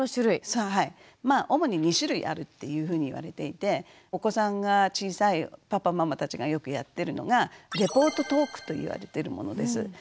まあ主に２種類あるっていうふうに言われていてお子さんが小さいパパママたちがよくやってるのがレポートトークと言われてるものです。